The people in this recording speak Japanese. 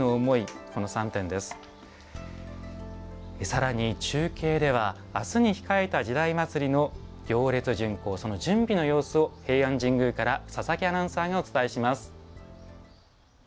さらに中継では明日に控えた「時代祭」の行列巡行その準備の様子を平安神宮から佐々木アナウンサーがお伝えします。